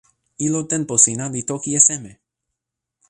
ilo tenpo sina li toki e seme?